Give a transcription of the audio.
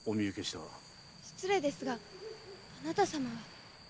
失礼ですがあなたさまは？